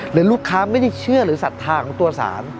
หรือลูกค้าไม่ได้เชื่อหรือศรัทธาของตัวสาร